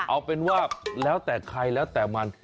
เอาเป็นว่าแล้วแต่ใครแล้วแต่มัน